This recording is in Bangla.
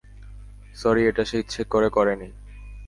স্যরি, এটা সে ইচ্ছে করে করেনি।